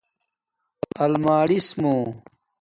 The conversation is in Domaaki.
الیمارس مُو